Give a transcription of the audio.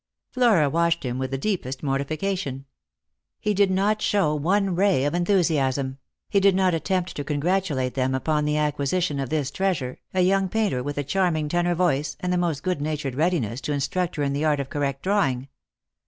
Flora watched him with the deepest mortification. He did aot show one ray of enthusiasm ; he did not attempt to congra tulate them upon the acquisition of this treasure, a young painter with a charming tenor voice and the most good natured readi ness to instruct her in the art of correct drawing.